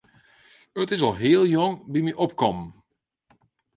It is al heel jong by my opkommen.